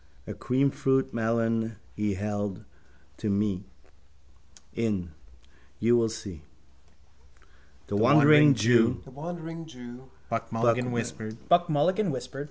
A creamfruit melon he held to me. In. You will see. —The wandering jew, Buck Mulligan whispered with clown's awe.